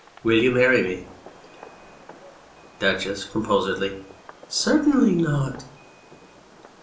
Will you marry me ? DUCHESS (composedly). Certainly not